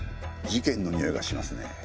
事件のにおいがしますね。